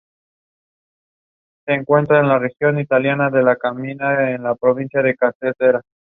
Profesor y docente universitario.